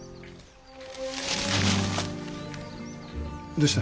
どうした？